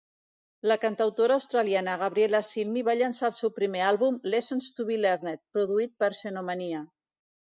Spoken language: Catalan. La cantautora australiana Gabriella Cilmi va llançar el seu primer àlbum "Lessons to Be Learned", produït per Xenomania.